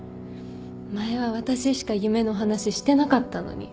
前は私しか夢の話してなかったのに。